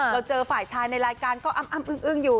เราเจอฝ่ายชายในรายการก็อ้ำอึ้งอยู่